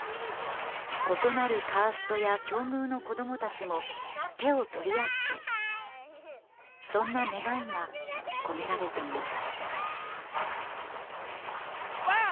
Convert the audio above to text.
異なるカーストや境遇の子どもたちも手をとりあってそんな願いが込められています